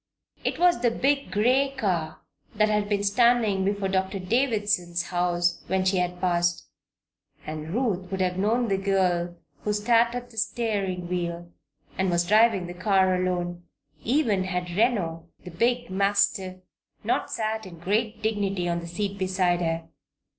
It was the big gray car that had been standing before Doctor Davison's house when she had passed, and Ruth would have known the girl who sat at the steering wheel and was driving the car alone, even had Reno, the big mastiff, not sat in great dignity on the seat beside her.